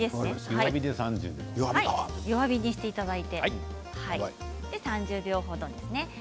弱火にしていただいて３０秒程ですね。